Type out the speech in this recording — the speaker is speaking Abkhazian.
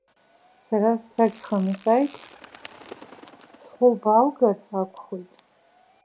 Сара сагханы сааит, схәы лбааугар акәхоит.